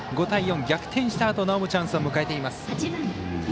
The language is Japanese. ５対４、逆転したあともなおもチャンスを迎えています。